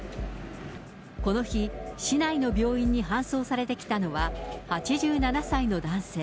この日、市内の病院に搬送されてきたのは、８７歳の男性。